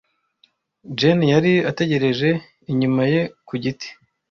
Jane yari ategereje inyuma ye ku giti.